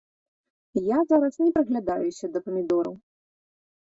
Я зараз не прыглядаюся да памідораў.